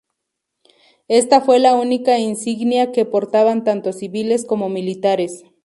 Esta fue la única insignia que portaban tanto civiles como militares.